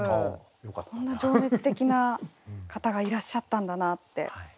こんな情熱的な方がいらっしゃったんだなって。